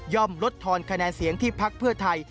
ย่อมลดทอนคะแนนเสียงที่ภักดิ์เพื่อไทย